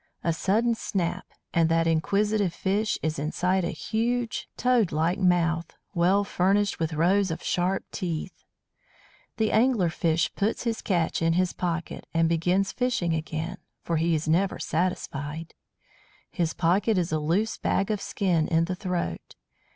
A sudden snap, and that inquisitive fish is inside a huge, toad like mouth, well furnished with rows of sharp teeth. The Angler fish puts his catch in his pocket, and begins fishing again, for he is never satisfied. His pocket is a loose bag of skin in the throat.